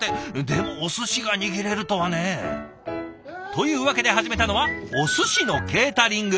でもおすしが握れるとはね。というわけで始めたのはおすしのケータリング。